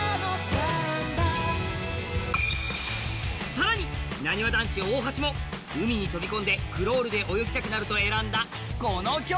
更になにわ男子大橋も海に飛び込んでクロールで泳ぎたくなると選んだこの曲。